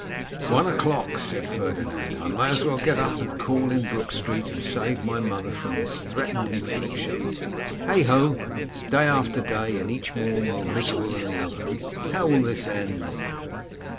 'One o'clock!' said Ferdinand. 'I may as well get up and call in Brook street, and save my mother from this threatened infliction. Heigho! Day after day, and each more miserable than the other. How will this end?